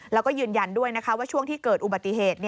แล้วก็ยืนยันด้วยนะคะว่าช่วงที่เกิดอุบัติเหตุ